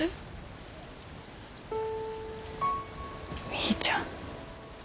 みーちゃん。